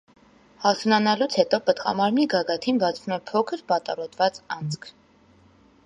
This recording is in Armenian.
Հասունանալուց հետո պտղամարմնի գագաթին բացվում է փոքր պատառոտված անցք։